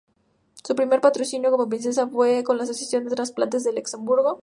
Su primer patrocinio como princesa fue con la Asociación de Trasplantes de Luxemburgo.